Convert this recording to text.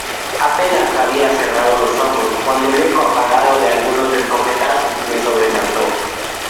apenas había cerrado los ojos cuando el eco apagado de algunos escopetazos me sobresaltó: